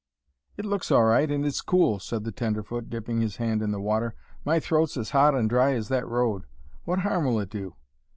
"It looks all right, and it's cool," said the tenderfoot, dipping his hand in the water. "My throat's as hot and dry as that road. What harm will it do?"